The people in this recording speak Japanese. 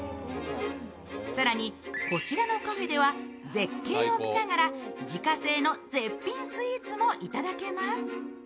更にこちらのカフェでは、絶景を見ながら自家製の絶品スイーツも頂けます。